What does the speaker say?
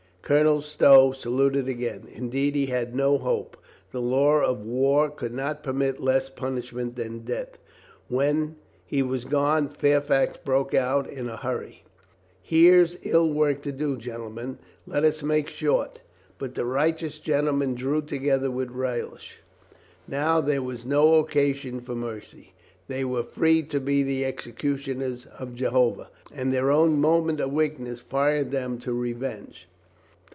Colonel Stow saluted again. Indeed, he had no hope. The law of war could not permit less punish ment than death. When he was gone Fairfax broke out in a hurry : THE LIEUTENANT GENERAL SPEAKS 437 "Here's ill work to do, gentlemen. Let us make short." But the righteous gentlemen drew together with relish. Now there was no occasion for mercy. They were free to be the executioners of Jehovah. And their own moment of weakness fired them to re venge.